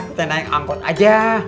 kita naik angkot aja